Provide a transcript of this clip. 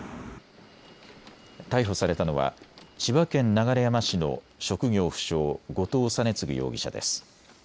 逮捕されたのは千葉県流山市の職業不詳、後藤仁乙容疑者です。